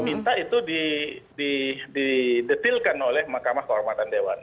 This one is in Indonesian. minta itu didetilkan oleh mahkamah kehormatan dewan